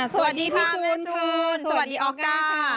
สวัสดีพี่คุณคืนสวัสดีอ๊อกได้ค่ะ